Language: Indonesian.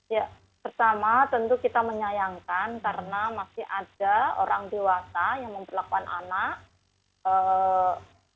ya pertama tentu kita menyayangkan karena masih ada orang dewasa yang memperlakukan anak